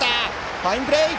ファインプレー！